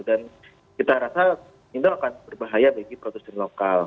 dan kita rasa itu akan berbahaya bagi produsen lokal